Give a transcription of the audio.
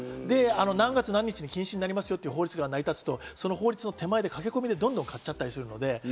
何月何日に禁止になりますよという法律が成り立つと、法律の手前で駆け込みでどんどん買っちゃったりする。